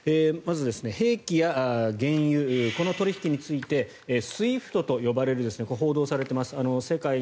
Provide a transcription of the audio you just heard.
まず、兵器や原油この取引についてＳＷＩＦＴと呼ばれる報道されています